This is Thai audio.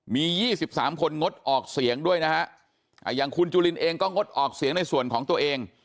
มี๒๓คนงดออกเสียงด้วยนะฮะอย่างคุณจุลินเองก็งดออกเสียงในส่วนของตัวเอง